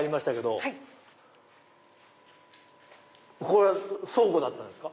何の倉庫だったんですか？